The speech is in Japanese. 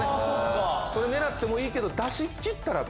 それ狙ってもいいけど。